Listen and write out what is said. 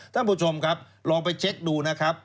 ท่านผู้ชมครับลองไปเช็คดูนะครับ